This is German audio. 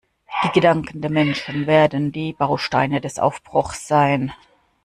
Die Gedanken der Menschen werden die Bausteine des Aufbruchs sein.